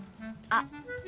あっ！